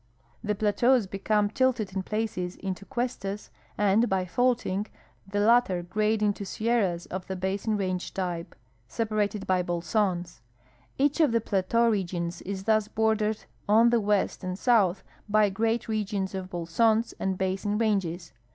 The plateaus become tilted in places into cuestas, and, by faulting, the latter grade into sierras of the basin range type, separated by bolsons. Each of the plateau regions is thus bordered on the west and south by great regions of bolsons and basin ranges.